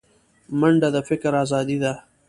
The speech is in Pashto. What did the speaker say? منډه د فکر ازادي ده